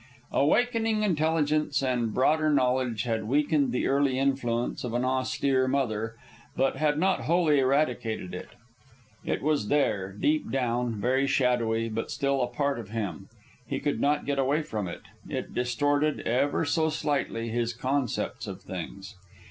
Awakening intelligence and broader knowledge had weakened the early influence of an austere mother, but had not wholly eradicated it. It was there, deep down, very shadowy, but still a part of him. He could not get away from it. It distorted, ever so slightly, his concepts of things.